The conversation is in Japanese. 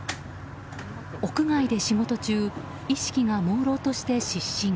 屋外で仕事中意識がもうろうとして失神。